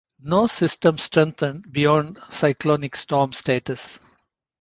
No systems strengthened beyond cyclonic storm status.